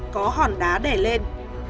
có hòn đá đẻ lên